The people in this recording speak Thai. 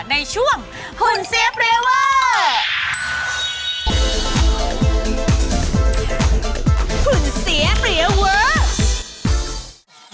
ในช่วงหุ่นเสียเปรียเวอร์